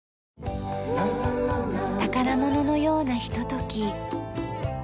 宝物のようなひととき。